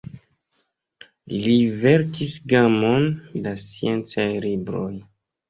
Li verkis gamon da sciencaj libroj.